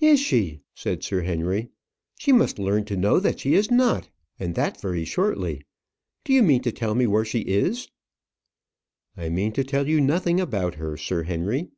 "Is she?" said Sir Henry. "She must learn to know that she is not; and that very shortly. Do you mean to tell me where she is?" "I mean to tell you nothing about her, Sir Henry."